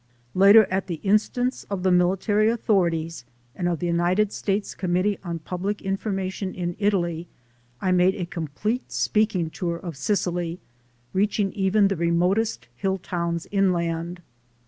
Later at the instance of the military authorities and of the United States Com mittee on Public Information in Italy, I made a complete speaking tour of Sicily, reaching even the remotest hill towns inland.